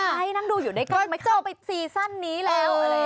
ใช่นั่งดูอยู่ด้วยก่อนไม่เข้าไปซีซั่นนี้แล้ว